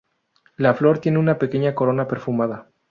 La flor tiene una pequeña corona perfumada.